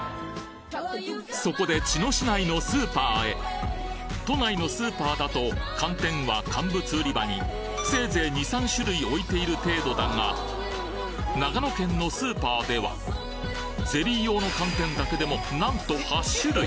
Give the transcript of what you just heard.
そこで茅野市内のスーパーへ都内のスーパーだと寒天は乾物売り場にせいぜい２３種類置いている程度だがゼリー用の寒天だけでもなんと８種類！